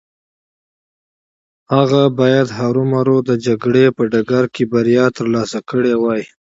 هغه بايد هرو مرو د جګړې په ډګر کې بريا ترلاسه کړې وای.